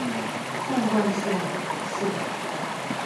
縱貫線海線